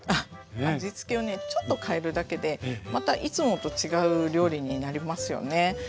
味付けをねちょっと変えるだけでまたいつもと違う料理になりますよね。